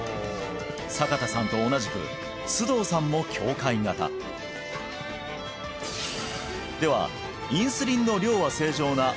坂田さんと同じく須藤さんも境界型ではインスリンの量は正常な須藤さんの原因とは？